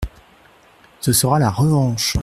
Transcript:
Ce sera la revanche !